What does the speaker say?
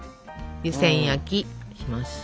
湯せん焼きします。